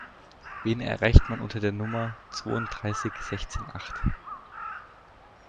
Wen erreicht man unter der Nummer zwounddreißig sechzehn acht?